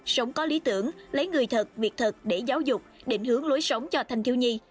sống có lý tưởng lấy người thật việc thật để giáo dục định hướng lối sống cho thanh thiếu nhi